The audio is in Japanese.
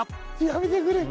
やめてくれ！